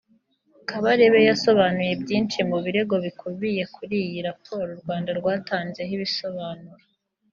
Kabarebe yasobonuye byinshi mu birego bikubiye kuri iyi raporo u Rwanda rwatanzeho ibisobanuro